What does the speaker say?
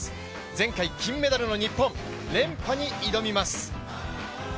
前回金メダルの日本、連覇に挑みます。